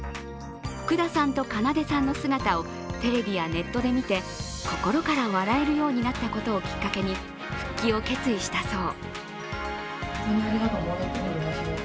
福田さんとかなでさんの姿をテレビやネットで見て心から笑えるようになったことをきっかけに、復帰を決意したそう。